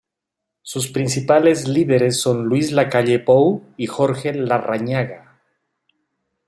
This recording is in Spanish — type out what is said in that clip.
Sus principales líderes son Luis Lacalle Pou y Jorge Larrañaga.